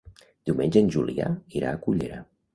Diumenge en Julià irà a Cullera.